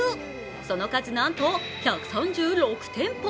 その数、なんと１３６店舗。